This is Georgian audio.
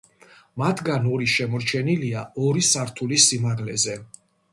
მათგან ორი შემორჩენილია ორი სართულის სიმაღლეზე.